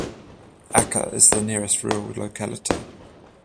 Akka is the nearest rural locality.